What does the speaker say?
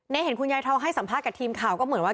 เห็นคุณยายทองให้สัมภาษณ์กับทีมข่าวก็เหมือนว่า